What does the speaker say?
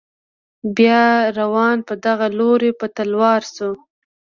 بیا روان په دغه لوري په تلوار شو.